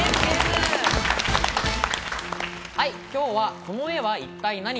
今日は「この絵は一体ナニ！？」